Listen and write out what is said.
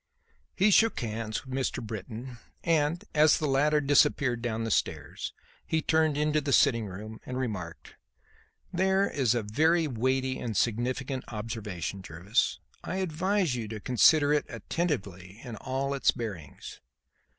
He shook hands with Mr. Britton, and, as the latter disappeared down the stairs, he turned into the sitting room and remarked: "There is a very weighty and significant observation, Jervis. I advise you to consider it attentively in all its bearings."